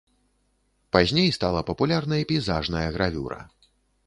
Пазней стала папулярнай пейзажная гравюра.